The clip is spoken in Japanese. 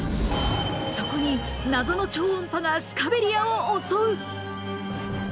そこに謎の超音波がスカベリアを襲う！